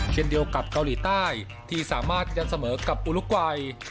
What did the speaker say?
เช่นเดียวกับเกาหลีใต้ที่สามารถยันเสมอกับอุลุกวัย